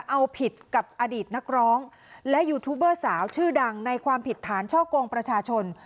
เอาผิดกับอดีตนักร้องและยูทูบเบอร์สาวชื่อดังในความผิดฐานช่อกงประชาชน